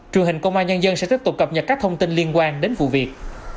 truyền hình công an nhân dân sẽ tiếp tục cập nhật các thông tin liên quan đến vụ việc